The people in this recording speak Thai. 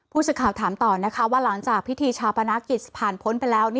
ผู้สื่อข่าวถามต่อนะคะว่าหลังจากพิธีชาปนกิจผ่านพ้นไปแล้ว